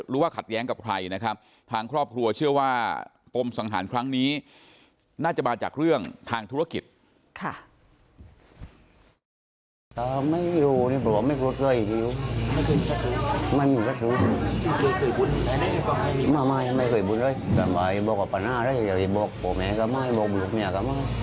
ผู้โบกกับปะหน้าไม่เคยรักหรอก